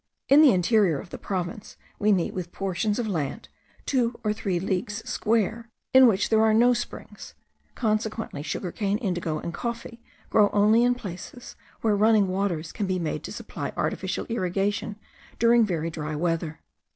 In the interior of the province we meet with portions of land, two or three leagues square, in which there are no springs; consequently sugar cane, indigo, and coffee, grow only in places where running waters can be made to supply artificial irrigation during very dry weather.